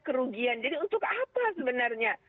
kerugian jadi untuk apa sebenarnya